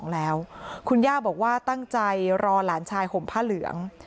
แล้วคุณย่าบอกว่าตั้งใจรอหลานชายห่มผ้าเหลือง